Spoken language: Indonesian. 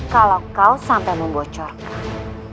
kalau kau sampai membocorkan